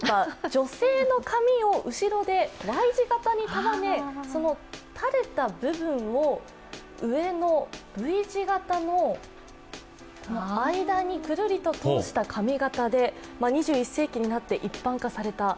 女性の髪を後ろでＹ字型に束ね、その束ねた部分を上のＶ字型の部分にくるりと通した髪形で２１世紀になって一般化された。